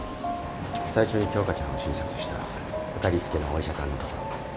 最初に鏡花ちゃんを診察したかかりつけのお医者さんの所。